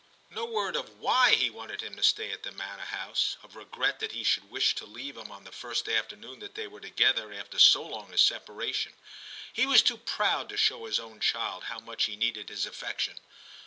No word of why he wanted him to stay at the manor house, of regret that he should wish to leave him on the first afternoon that they were together after so long a separa tion ; he was too proud to show his own child how much he needed his affection.